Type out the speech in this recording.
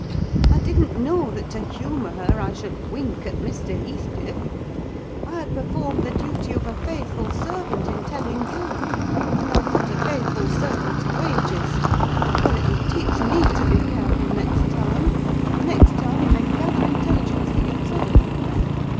I didn't know that, to humour her, I should wink at Mr. Heathcliff. I performed the duty of a faithful servant in telling you, and I have got a faithful servant's wages! Well, it will teach me to be careful next time. Next time you may gather intelligence for yourself!"